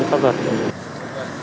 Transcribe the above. thì cũng pháp luật